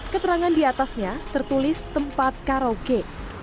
keterangan di atasnya tertulis tempat karaoke